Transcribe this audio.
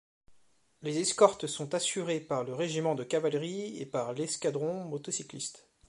Les escortes sont assurées par le régiment de cavalerie et par l'escadron motocycliste.